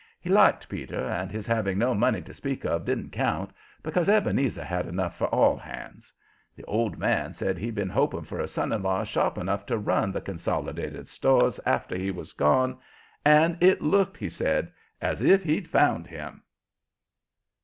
He liked Peter, and his having no money to speak of didn't count, because Ebenezer had enough for all hands. The old man said he'd been hoping for a son in law sharp enough to run the "Consolidated Stores" after he was gone, and it looked, he said, as if he'd found him.